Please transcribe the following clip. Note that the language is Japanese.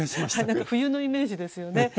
はい何か冬のイメージですよね？